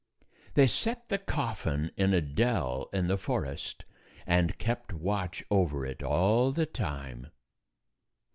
They set the coffin in a dell in the forest and kept watch over it all the time.